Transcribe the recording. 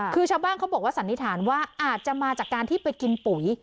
คือชาวบ้านเขาบอกว่าสันนิษฐานว่าอาจจะมาจากการที่ไปกินปุ๋ย